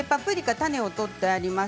種を取ってあります。